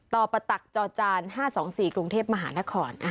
ปปตักจอจาน๕๒๔กรุงเทพมหานคร